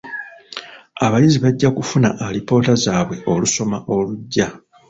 Abayizi bajja kufuna alipoota zaabwe olusoma olujja.